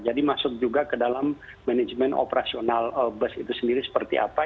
jadi masuk juga ke dalam manajemen operasional bus itu sendiri seperti apa